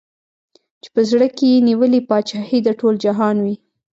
چي په زړه کي یې نیولې پاچهي د ټول جهان وي